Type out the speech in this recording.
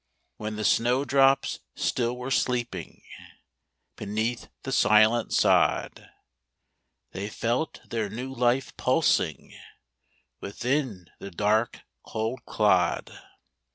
While the snow drops still were sleeping Beneath the silent sod; They felt their new life pulsing Within the dark, cold clod.